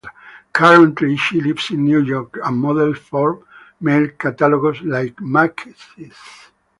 Currently she lives in New York and models for mail catalogs like Macy's.